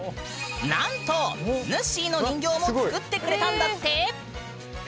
なんとぬっしーの人形も作ってくれたんだって！